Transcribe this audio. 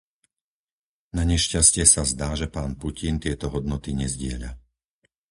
Nanešťastie sa zdá, že pán Putin tieto hodnoty nezdieľa.